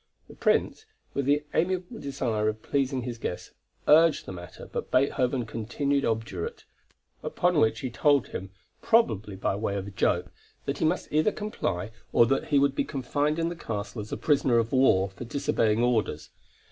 The Prince, with the amiable desire of pleasing his guests, urged the matter, but Beethoven continued obdurate; upon which he told him, probably by way of a joke, that he must either comply or that he would be confined in the castle as a prisoner of war for disobeying orders.